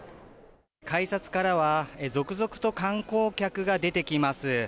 改札からは、続々と観光客が出てきます。